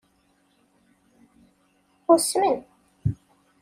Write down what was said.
Usmen.